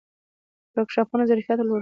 ورکشاپونه ظرفیت لوړوي